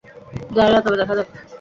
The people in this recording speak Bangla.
জানি না, তবে দেখা যাক।